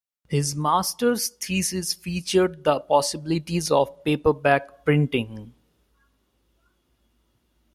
His Master's thesis featured the possibilities of paperback printing.